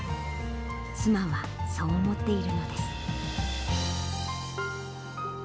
妻はそう思っているのです。